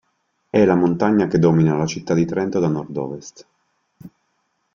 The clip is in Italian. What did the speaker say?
È la montagna che domina la città di Trento da nord-ovest.